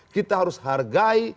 kita harus hargai